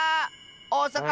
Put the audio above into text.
おおさか